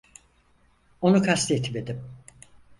Onu kastetmedim.